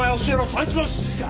そいつの指示か！？